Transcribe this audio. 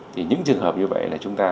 thì những trường hợp như vậy là chúng ta